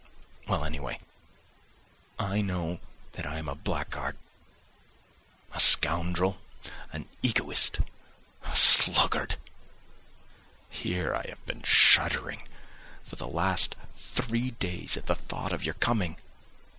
Well, anyway, I know that I am a blackguard, a scoundrel, an egoist, a sluggard. Here I have been shuddering for the last three days at the thought of your coming.